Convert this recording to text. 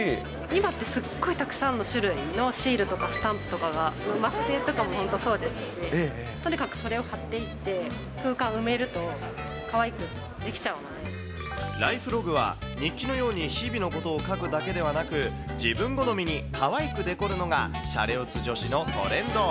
今って、すっごいたくさんの種類のシールとかスタンプとかが、マスキングとかも本当、そうですし、とにかくそれを貼っていって、空間埋めると、かわいくできちゃライフログは、日記のように日々のことを書くだけではなく、自分好みにかわいくデコるのが、シャレオツ女子のトレンド。